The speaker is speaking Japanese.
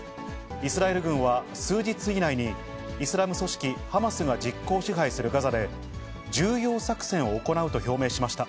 イスラエル軍は数日以内に、イスラム組織ハマスが実効支配するガザで重要作戦を行うと表明しました。